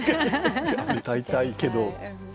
うたいたいけど。